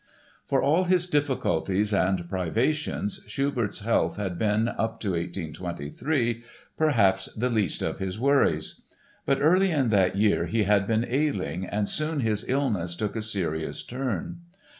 For all his difficulties and privations Schubert's health had been, up to 1823, perhaps the least of his worries. But early in that year he had been ailing and soon his illness took a serious turn.